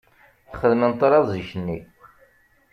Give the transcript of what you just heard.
Xedmen ṭrad zik-nni.